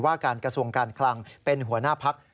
ว่าการกระทรวงการคลังเป็นหัวหน้าพัก